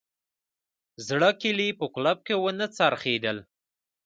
زړه کیلي په قلف کې ونه څرخیدل